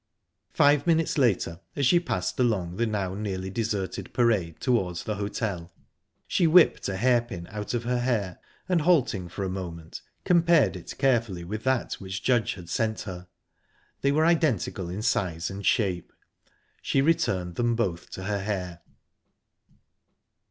Five minutes later, as she passed along the now nearly deserted parade towards the hotel, she whipped a hairpin out of her hair, and, halting for a moment, compared it carefully with that which Judge had sent her. They were identical in size and shape...She returned them both to her hair.